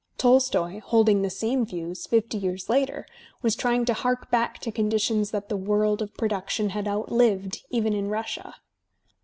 Tolstoy, holding the same views, fifty years later, was trying to hark back to conditions that the world of production had outlived even in Russia.